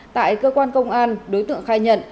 tại cơ quan công an đối tượng khai nhận